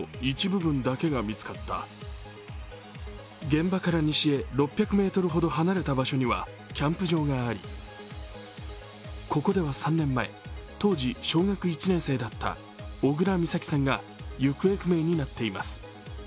現場から西へ６００ｍほど離れた場所にはキャンプ場がありここでは３年前、当時小学１年生だった小倉美咲さんが行方不明になっています。